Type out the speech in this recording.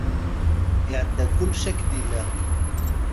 Iɛedda kullec akken ilaq.